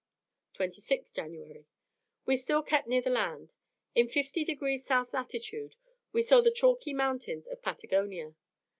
26th January. We still kept near the land. In 50 degrees South lat. we saw the chalky mountains of Patagonia.